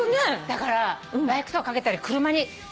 だからバイクとかに掛けたり車に。